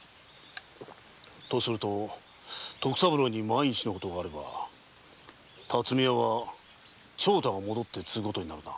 とすると徳三郎に万一のことがあれば巽屋は長太が戻って継ぐことになるな。